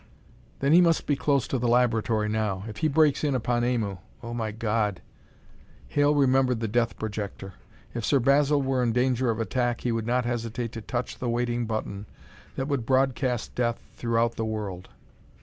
"Then he must be close to the laboratory now. If he breaks in upon Aimu oh, my God!" Hale remembered the death projector. If Sir Basil were in danger of attack, he would not hesitate to touch the waiting button that would broadcast death throughout the world.